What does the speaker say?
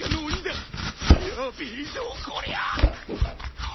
やべえぞこりゃ。